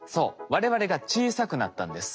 我々が小さくなったんです。